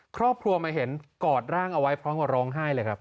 ครอบครัวมาเห็นกอดร่างเอาไว้พร้อมกับร้องไห้เลยครับ